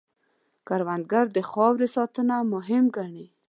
کروندګر د خاورې ساتنه مهم ګڼي